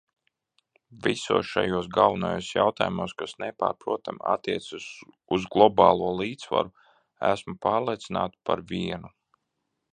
Visos šajos galvenajos jautājumos, kas nepārprotami attiecas uz globālo līdzsvaru, esmu pārliecināta par vienu.